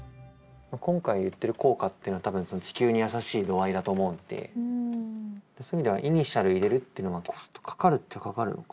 今回言ってる効果っていうのは多分地球にやさしい度合いだと思うんでそういう意味ではイニシャル入れるっていうのはコストかかるっちゃかかるのか。